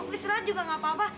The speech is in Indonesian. listrat juga nggak apa apa